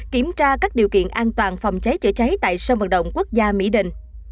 kiểm tra các điều kiện an toàn phòng cháy chữa cháy tại sân vận động quốc gia mỹ đình